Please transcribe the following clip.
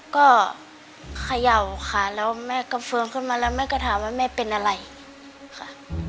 ก็เขย่าค่ะแล้วแม่ก็เฟิร์มขึ้นมาแล้วแม่ก็ถามว่าแม่เป็นอะไรค่ะ